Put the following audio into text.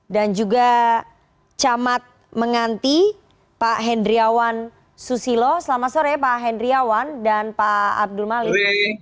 dan juga camat menghenti pak hendriawan susilo selamat sore pak hendriawan dan pak abdul malik